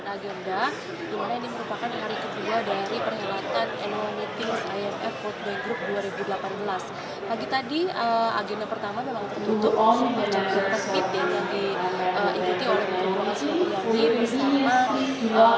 dimana ini merupakan hari kedua dari perkhidmatan no meetings imf world bank group dua ribu delapan belas